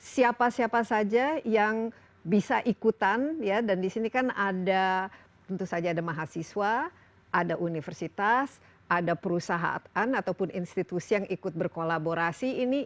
siapa siapa saja yang bisa ikutan ya dan disini kan ada tentu saja ada mahasiswa ada universitas ada perusahaan ataupun institusi yang ikut berkolaborasi